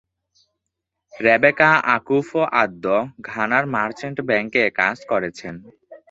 Rebecca Akufo Addo ঘানার merchant ব্যাংকে কাজ করেছেন।